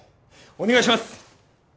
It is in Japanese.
お願いします